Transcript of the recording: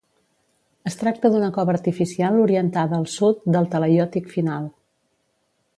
Es tracta d'una cova artificial orientada al sud del talaiòtic final.